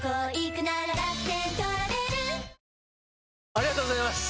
ありがとうございます！